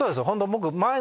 僕。